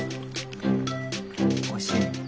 おいしい？